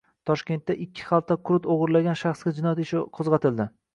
Toshkentda ikki xalta qurut o‘g‘irlagan shaxsga jinoyat ishi qo‘zg‘atildi